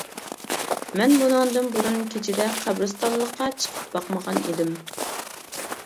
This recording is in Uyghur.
مەن بۇنىڭدىن بۇرۇن كېچىدە قەبرىستانلىققا چىقىپ باقمىغان ئىدىم.